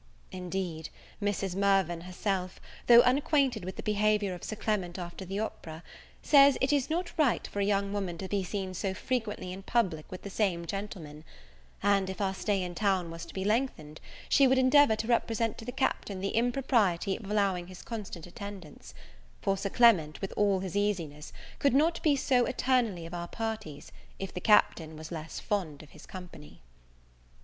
Indeed, Mrs. Mirvan herself, though unacquainted with the behaviour of Sir Clement after the opera, says it is not right for a young woman to be seen so frequently in public with the same gentleman; and, if our stay in town was to be lengthened, she would endeavour to represent to the Captain the impropriety of allowing his constant attendance; for Sir Clement with all his easiness, could not be so eternally of our parties, if the Captain was less fond of his company.